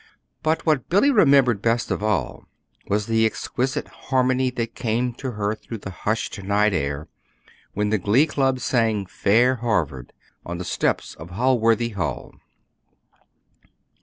But what Billy remembered best of all was the exquisite harmony that came to her through the hushed night air when the Glee Club sang Fair Harvard on the steps of Holworthy Hall.